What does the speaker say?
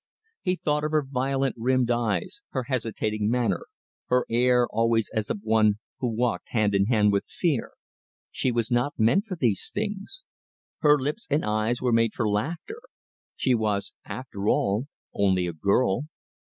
He thought of her violet rimmed eyes, her hesitating manner, her air always as of one who walked hand in hand with fear. She was not meant for these things! Her lips and eyes were made for laughter; she was, after all, only a girl.